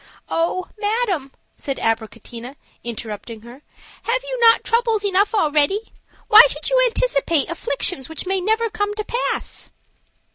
"Oh! madam," said Abricotina, interrupting her, "have you not troubles enough already? Why should you anticipate afflictions which may never come to pass?"